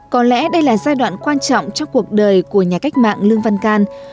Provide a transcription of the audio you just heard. có lẽ đây là giai đoạn quan trọng trong cuộc đời của nhà cách mạng lương văn can